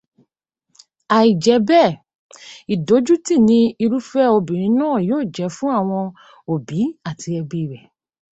Àìjẹ́bẹ́ẹ̀, ìdójútì ni irúfé obìnrin náà yóò jẹ fún àwọn òbí àti ẹbí rẹ.